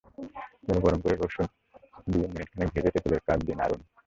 তেল গরম করে রসুন দিয়ে মিনিট খানেক ভেজে তেঁতুলের ক্বাথ দিয়ে নাড়ুন।